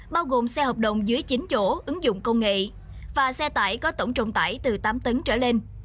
bao gồm xe hợp đồng dưới chín chỗ ứng dụng công nghệ và xe tải có tổng trọng tải từ tám tấn trở lên